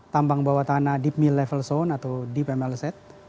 tambang bawah tanah deep mill level zone atau deep mlz